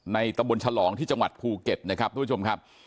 ตะบนฉลองที่จังหวัดภูเก็ตนะครับทุกผู้ชมครับ